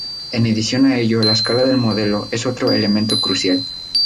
En adición a ello, la escala del modelo es otro elemento crucial.